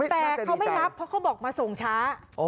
แต่เขาไม่รับเพราะเขาบอกมาส่งช้า